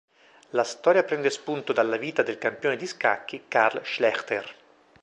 La storia prende spunto dalla vita del campione di scacchi Carl Schlechter.